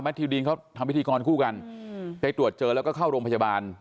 ทิวดีนเขาทำพิธีกรคู่กันไปตรวจเจอแล้วก็เข้าโรงพยาบาล